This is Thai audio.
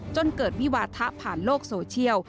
จนเกิดวิวาทะผ่านโลกโซเชียล